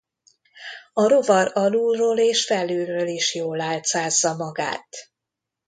A rovar alulról és felülről is jól álcázza magát.